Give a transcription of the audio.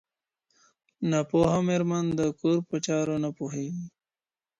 ناپوهه ميرمن د کور په چارو نه پوهيږي.